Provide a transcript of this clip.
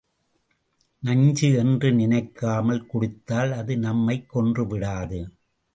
நஞ்சு என்று நினைக்காமல் குடித்தால் அது நம்மைக் கொன்றுவிடாது.